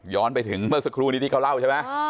ไปถึงเมื่อสักครู่นี้ที่เขาเล่าใช่ไหม